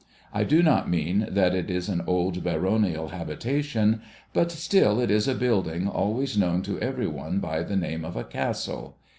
I do not mean that it is an old baronial habitation, but still it is a building always known to every one by the name of a Castle.